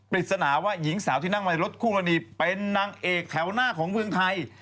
ปริศนาว่าหญิงสาวที่นั่งในรถคู่กรณีเป็นนางเอกแถวหน้าของเมืองไทย